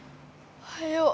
おはよう。